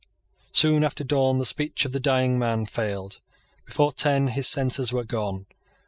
Soon after dawn the speech of the dying man failed. Before ten his senses were gone.